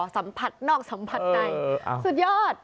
สัมผัสนอกสัมผัสในสุดยอด